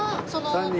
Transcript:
３人。